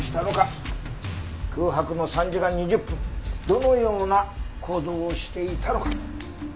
空白の３時間２０分どのような行動をしていたのか？